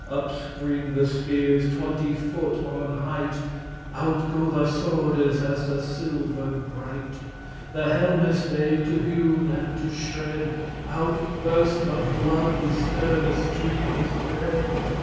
Up spring the speares twenty foot on height; Out go the swordes as the silver bright. The helmes they to hewen, and to shred*; *strike in pieces <80> Out burst the blood, with sterne streames red.